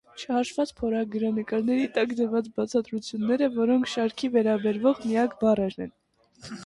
Չհաշված փորագրանկարների տակ դրված բացատրությունները, սրանք շարքին վերաբերվող միակ բառերն են։